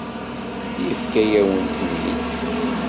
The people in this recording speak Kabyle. Yefka-yawen-ten-id.